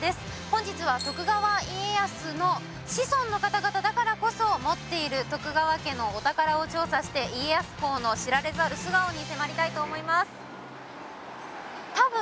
本日は徳川家康のシソンの方々だからこそ持っている徳川家のお宝を調査して家康公の知られざる素顔に迫りたいと思います。